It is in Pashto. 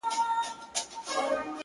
نن د سولي آوازې دي د جنګ بندي نغارې دي-